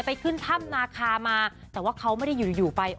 ไปขึ้นถ้ำนาคามาแต่ว่าเขาไม่ได้อยู่อยู่ไป